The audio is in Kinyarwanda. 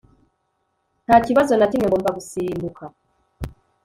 ntakibazo nakimwe ngomba gusimbuka